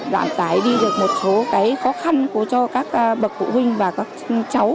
đoạn tải đi được một số cái khó khăn của cho các bậc phụ huynh và các cháu